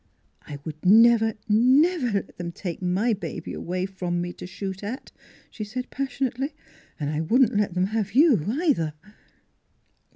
" I would never, never let them take my baby away from me to shoot at," she said passionately. " And I wouldn't let them have you, either